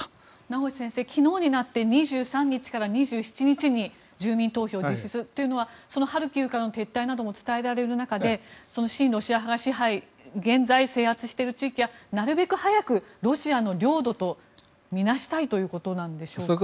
名越先生、昨日になって２３日から２７日に住民投票を実施するというのはそのハルキウからの撤退なども伝えられる中で親ロシア派が現在、制圧している地域はなるべく早くロシアの領土と見なしたいということなんでしょうか？